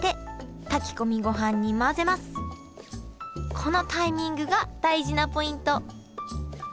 このタイミングが大事なポイント